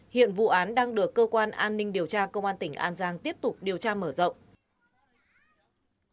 hiện vụ án đang được cơ quan an ninh điều tra công an tỉnh an giang tiếp tục điều tra mở rộng